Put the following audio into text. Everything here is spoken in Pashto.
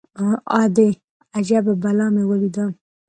_ادې! اجبه بلا مې وليده.